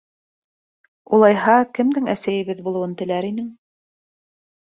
— Улайһа, кемдең әсәйебеҙ булыуын теләр инең?